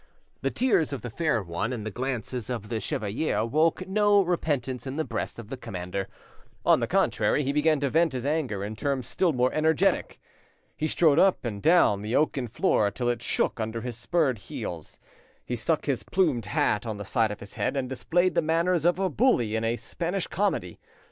The tears of the fair one and the glances of the chevalier awoke no repentance in the breast of the commander; on the contrary, he began to vent his anger in terms still more energetic. He strode up and down the oaken floor till it shook under his spurred heels; he stuck his plumed hat on the side of his head, and displayed the manners of a bully in a Spanish comedy.